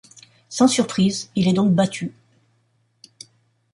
Sans surprise, il est donc battu.